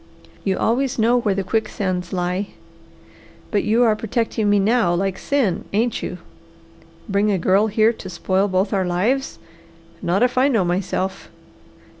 You always know where the quicksands lie. But you are protecting me now, like sin, ain't you? Bring a girl here to spoil both our lives! Not if I know myself!